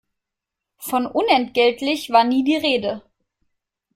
Von unentgeltlich war nie die Rede.